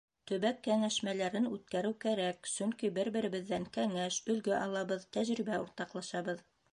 Төбәк кәңәшмәләрен үткәреү кәрәк, сөнки бер-беребеҙҙән кәңәш, өлгө алабыҙ, тәжрибә уртаҡлашабыҙ.